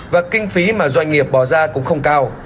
và kinh phí mà doanh nghiệp bỏ ra cũng không cao